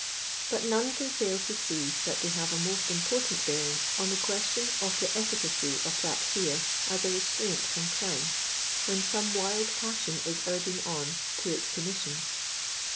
But none can fail to see that they have a most important bearing on the question of the efficacy of that fear as a restraint from crime, when some wild passion is ur ging on to its commission.